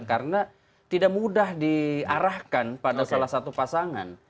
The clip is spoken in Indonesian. karena tidak mudah diarahkan pada salah satu pasangan